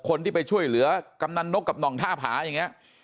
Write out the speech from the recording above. คนที่ไปช่วยเหลือกำนันนกกับหน่องท่าผาอย่างนี้